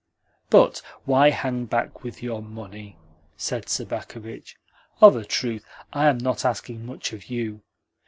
"But why hang back with your money?" said Sobakevitch. "Of a truth I am not asking much of you.